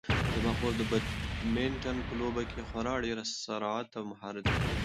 زما خور د بدمینټن په لوبه کې خورا ډېر سرعت او مهارت لري.